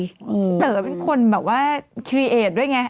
พี่เต๋อร์เป็นคนแบบว่าคลีเอทด้วยไง